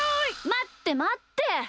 まってまって。